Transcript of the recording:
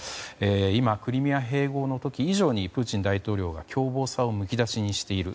今、クリミア併合の時以上にプーチン大統領が凶暴さをむき出しにしている。